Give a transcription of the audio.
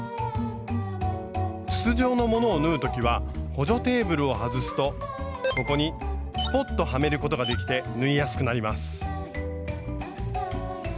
筒状のものを縫う時は補助テーブルを外すとここにスポッとはめることができて縫いやすくなります。